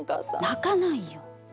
泣かないよ。